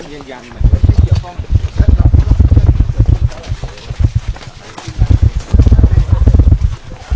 ใครกว่าดึงแล้วฟังฟังเพื่อนก็ไม่รู้ว่าแล้วแอนดอล